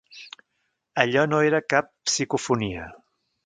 Allò no era cap psicofonia.